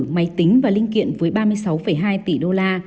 máy tính và linh kiện với ba mươi sáu hai tỷ usd